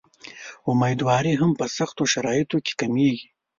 امیندواري هم په سختو شرایطو کې کمېږي.